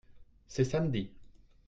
c'est samedi.